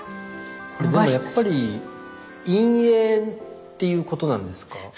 これでもやっぱり陰影っていうことなんですか？